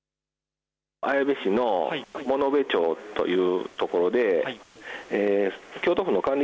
綾部市の物部町というところで京都府の管理